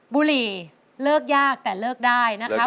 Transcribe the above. บุหรี่เลิกยากแต่เลิกได้นะคะ